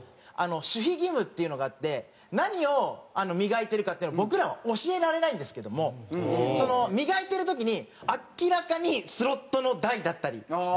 守秘義務っていうのがあって何を磨いてるかっていうのを僕らは教えられないんですけども磨いてる時に明らかにスロットの台だったり。